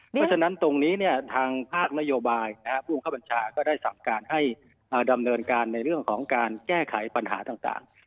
เพราะฉะนั้นตรงนี้ทางภาคนโยบายผู้เข้าบัญชาก็ได้สั่งการให้ดำเนินการในเรื่องของการแก้ไขปัญหาต่าง